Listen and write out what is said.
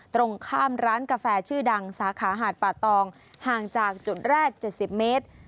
ตรงข้ามร้านกาแฟชื่อดังสาขาหาดป่าตองห่างจากจุดแรก๗๐เมตร